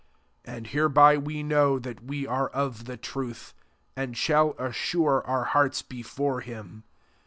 19 And hereby we know that we are of the truth, and shall as sure our hearts before him.